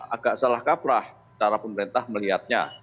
agak salah kaprah cara pemerintah melihatnya